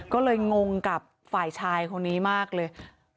ก็เลยงงกับฝ่ายชายคนนี้มากเลย